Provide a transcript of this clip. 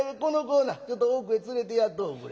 ちょっと奥へつれてやっとおくれ。